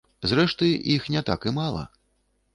Зрэшты, іх не так і мала.